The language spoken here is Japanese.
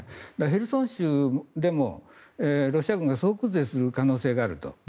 ヘルソン州でもロシア軍が総崩れする可能性があると。